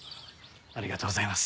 ありがとうございます。